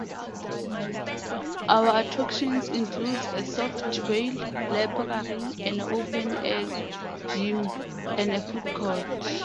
Other attractions includes a soft rail, library, an open-air gym and a food court.